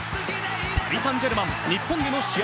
パリ・サン＝ジェルマン、日本での試合